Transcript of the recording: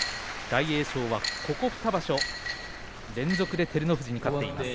大栄翔はここ２場所連続で照ノ富士に勝っています。